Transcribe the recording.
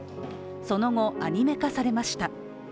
その後、アニメ化されました。